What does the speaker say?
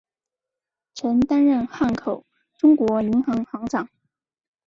曾担任汉口中国银行行长。